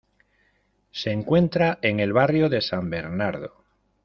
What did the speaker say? Se encuentra en el barrio de San Bernardo.